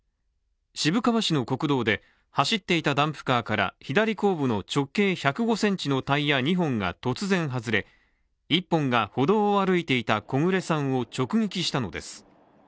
渋川市の国道で走っていたダンプカーから左後部の直径１０５ｃｍのタイヤ２本が突然外れ１本が歩道を歩いていた木暮さんを直撃したのです。